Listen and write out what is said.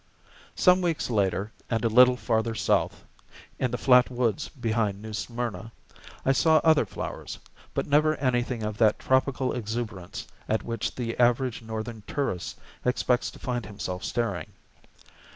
Some weeks later, and a little farther south, in the flat woods behind New Smyrna, I saw other flowers, but never anything of that tropical exuberance at which the average Northern tourist expects to find himself staring.